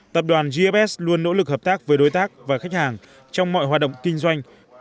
tập đoàn gfs luôn nỗ lực hợp tác với đối tác và khách hàng trong mọi hoạt động kinh doanh